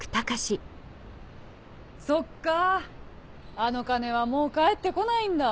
そっかあの金はもう返って来ないんだ。